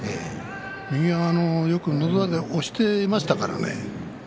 右は、のど輪で押していましたからね。